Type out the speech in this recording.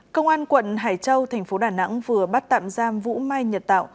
công an quận hải châu thành phố đà nẵng vừa bắt tạm giam vũ mai nhật tạo